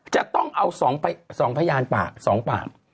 จะต้องเอา๒พญานปาก